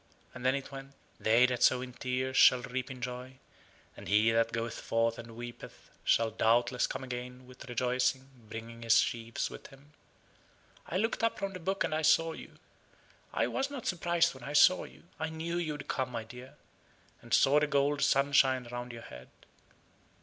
And then it went, 'They that sow in tears shall reap in joy; and he that goeth forth and weepeth, shall doubtless come again with rejoicing, bringing his sheaves with him;' I looked up from the book, and saw you. I was not surprised when I saw you. I knew you would come, my dear, and saw the gold sunshine round your head."